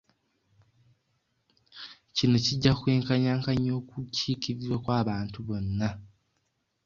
Kino kijja kwenkanyankanya okukiikirirwa kw'abantu bonna.